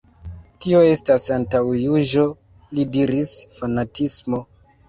Tio estas antaŭjuĝo li diris, fanatismo.